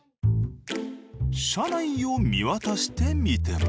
社内を見渡してみても。